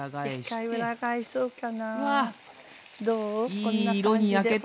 こんな感じでほら。